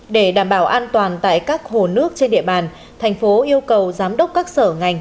để đảm bảo an toàn tại các hồ nước trên địa bàn thành phố yêu cầu giám đốc các sở ngành